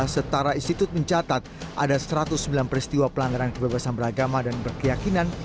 setara institut mencatat ada satu ratus sembilan peristiwa pelanggaran kebebasan beragama dan berkeyakinan